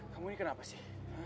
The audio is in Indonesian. kamu ini kenapa sih